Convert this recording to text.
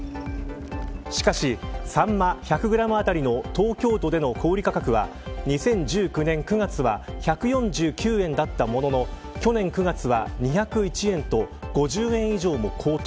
しかしサンマ１００グラムあたりの東京都での小売価格は２０１９年９月は１４９円だったものの去年９月は２０１円と５０円以上も高騰。